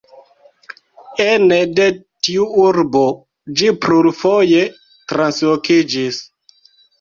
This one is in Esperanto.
Ene de tiu urbo ĝi plurfoje translokiĝis.